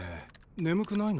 眠くないの？